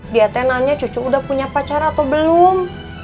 dia teh nanya cucu udah punya pacar atau belum